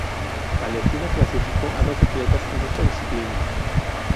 Palestina clasificó a dos atletas en esta disciplina.